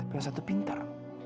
yang satu pintar